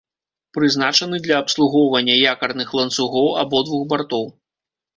Прызначаны для абслугоўвання якарных ланцугоў абодвух бартоў.